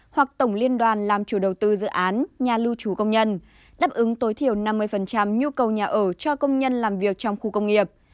hoặc tổng liên đoàn làm chủ đầu tư dự án nhà lưu trú công nhân đáp ứng tối thiểu năm mươi nhu cầu nhà ở cho công nhân làm việc trong khu công nghiệp